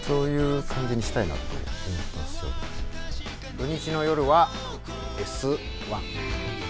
土日の夜は「Ｓ☆１」。